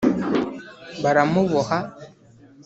baramuboha.